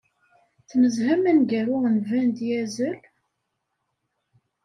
Tnezzhem aneggaru n Vin Diesel?